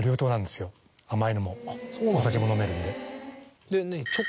甘いのもお酒も飲めるんで。